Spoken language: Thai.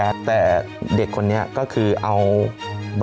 สวัสดีครับ